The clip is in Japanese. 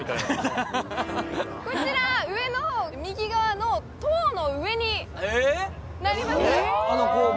こちら上の方、右側の塔の上になります。